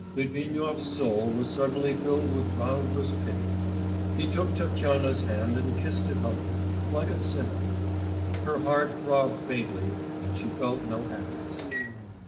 Litvinov's soul was suddenly filled with boundless pity. He took Tatyana's hand and kissed it humbly, like a sinner; her heart throbbed faintly and she felt no happiness.